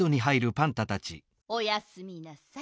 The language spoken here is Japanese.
おやすみなさい。